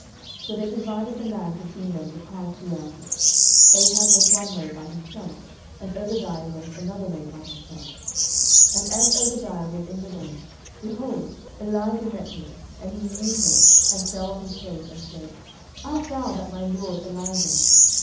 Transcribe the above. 11:018:006 So they divided the land between them to pass throughout it: Ahab went one way by himself, and Obadiah went another way by himself. 11:018:007 And as Obadiah was in the way, behold, Elijah met him: and he knew him, and fell on his face, and said, Art thou that my lord Elijah?